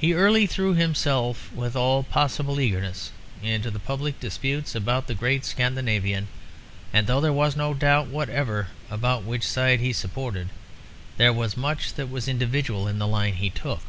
He early threw himself with all possible eagerness into the public disputes about the great Scandinavian; and though there was no doubt whatever about which side he supported, there was much that was individual in the line he took.